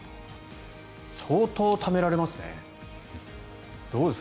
相当ためられますね。